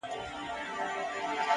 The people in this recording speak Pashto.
صبر د سختو پړاوونو پُل دی.